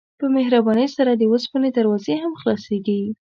په مهربانۍ سره د اوسپنې دروازې هم خلاصیږي.